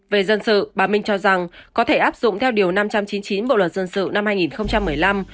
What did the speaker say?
về dân sự bà minh cho rằng có thể áp dụng theo điều năm trăm chín mươi chín bộ luật dân sự năm hai nghìn một mươi năm